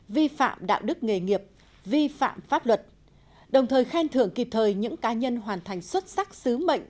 vi phạm đạo đức nghề nghiệp vi phạm pháp luật đồng thời khen thưởng kịp thời những cá nhân hoàn thành xuất sắc sứ mệnh